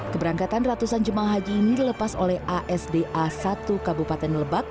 keberangkatan ratusan jemaah haji ini dilepas oleh asda satu kabupaten lebak